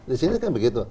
di sini kan begitu